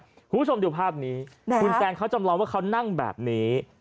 คุณผู้ชมดูภาพนี้คุณแซนเขาจำลองว่าเขานั่งแบบนี้